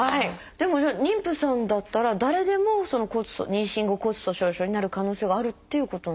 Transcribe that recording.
でもじゃあ妊婦さんだったら誰でもその妊娠後骨粗しょう症になる可能性があるっていうことなんですか？